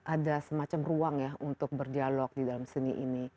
ada semacam ruang ya untuk berdialog di dalam seni ini